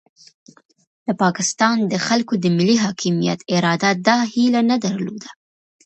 د پاکستان د خلکو د ملي حاکمیت اراده دا هیله نه درلوده.